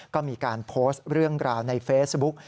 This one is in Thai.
ก็มีการโพสต์เรื่องราวในเฟซบุ๊ก